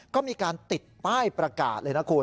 ก็มีการติดป้ายประกาศเลยนะคุณ